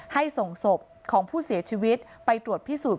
ส่งศพของผู้เสียชีวิตไปตรวจพิสูจน